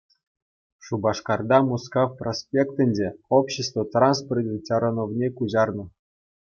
Шупашкарта Мускав проспектӗнче общество транспорчӗн чарӑнӑвне куҫарнӑ.